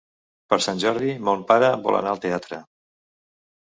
Per Sant Jordi mon pare vol anar al teatre.